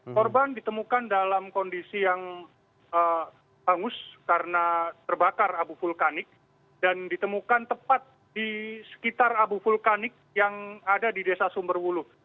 korban ditemukan dalam kondisi yang hangus karena terbakar abu vulkanik dan ditemukan tepat di sekitar abu vulkanik yang ada di desa sumberwuluh